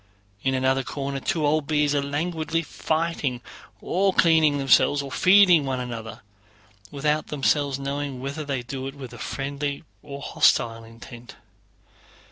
In another corner two old bees are languidly fighting, or cleaning themselves, or feeding one another, without themselves knowing whether they do it with friendly or hostile intent.